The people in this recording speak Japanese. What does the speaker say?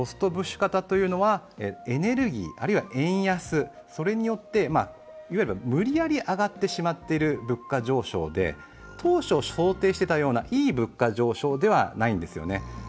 エネルギーあるいは円安によって無理やり上がってしまっている物価上昇で当初想定していたようないい物価上昇ではないんですよね。